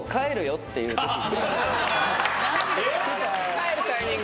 帰るタイミング。